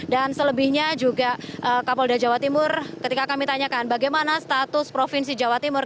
dan selebihnya juga kapolda jawa timur ketika kami tanyakan bagaimana status provinsi jawa timur